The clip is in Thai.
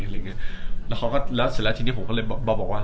รอสร้าทีนี้ผมก็กลับบอกว่า